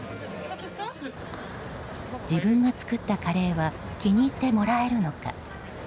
自分が作ったカレーは気に入ってもらえるのか。